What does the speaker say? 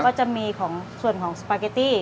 ก็จะมีของส่วนของสปาเกตตี้